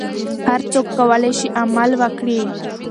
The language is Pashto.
هر څوک کولای شي عمل وکړي.